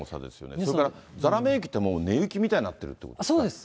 ですから、ざらめ雪ってもう根雪みたいになってるってことですか？